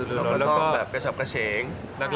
เราก็ต้องแบบกระฉับกระเฉง